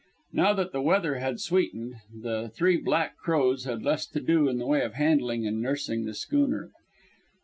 Now that the weather had sweetened, the Three Black Crows had less to do in the way of handling and nursing the schooner.